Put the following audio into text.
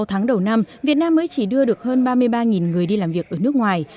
sáu tháng đầu năm việt nam mới chỉ đưa được hơn ba mươi ba người đi làm việc ở nước ngoài